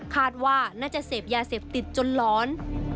คาดว่าน่าจะเสพยาเสพติดจนหลอน